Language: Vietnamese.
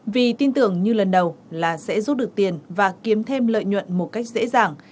vì tin tưởng như lần đầu là sẽ rút được tiền và kiếm thêm lợi nhuận một cách dễ dàng